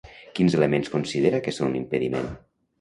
Quins elements considera que són un impediment?